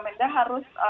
satuan pendidikan tersebut